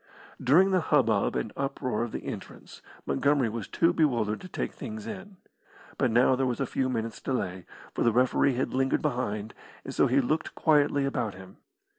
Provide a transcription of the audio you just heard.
During the hubbub and uproar of the entrance Montgomery was too bewildered to take things in. But now there was a few minutes' delay, for the referee had lingered behind, and so he looked quietly about him.